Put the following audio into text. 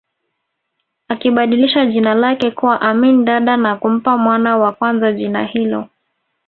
Akibadilisha jina lake kuwa Amin Dada na kumpa mwana wa kwanza jina hilo